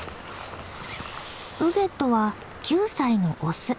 ウゲットは９歳のオス。